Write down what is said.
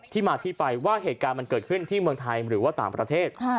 ที่มาที่ไปว่าเหตุการณ์มันเกิดขึ้นที่เมืองไทยหรือว่าต่างประเทศ